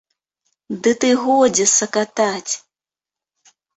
Ды ты годзе сакатаць!